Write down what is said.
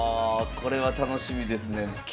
これは楽しみですね。